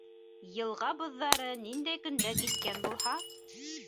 Йылға боҙҙары ниндәй көндә киткән булһа